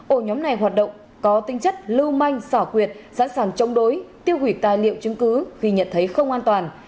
ổ nhóm này hoạt động có tinh chất lưu manh sỏ quyệt sẵn sàng chống đối tiêu hủy tài liệu chứng cứ khi nhận thấy không an toàn